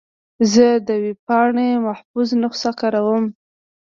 زه د ویب پاڼې محفوظ نسخه کاروم.